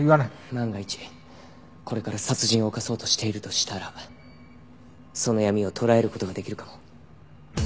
万が一これから殺人を犯そうとしているとしたらその闇を捉える事ができるかも。